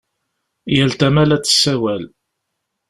Yal tama la d-tessawal.